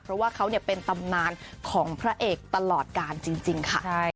เพราะว่าเขาเป็นตำนานของพระเอกตลอดการจริงค่ะ